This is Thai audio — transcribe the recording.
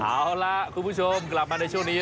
เอาล่ะคุณผู้ชมกลับมาในช่วงนี้